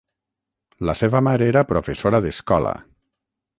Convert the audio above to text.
La seva mare era professora d'escola.